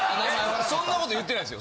そんなこと言ってないですよ。